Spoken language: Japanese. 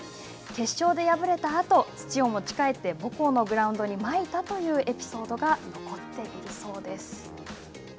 決勝で敗れたあと、土を持ち帰って、母校のグラウンドにまいたというエピソードが残っているそうです。